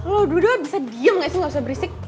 kalau dua dua bisa diam gak sih gak usah berisik